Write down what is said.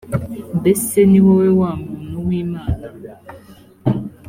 mbese ni wowe wa muntu w imana